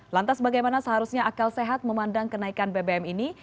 lantas bagaimana seharusnya akal sehat memandang kenaikan bbm ini